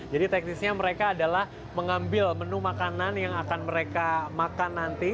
jadi teknisnya mereka adalah mengambil menu makanan yang akan mereka makan nanti